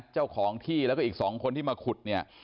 เจ้าของที่แล้วก็อีก๒คนที่มาขุดเนี่ย